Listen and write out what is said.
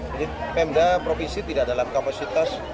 jadi pemda provinsi tidak dalam kapasitas